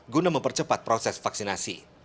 guna mempercepat proses vaksinasi